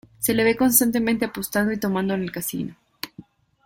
Se le ve constantemente apostando y tomando en el Casino.